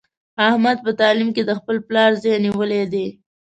احمد په تعلیم کې د خپل پلار ځای نیولی دی.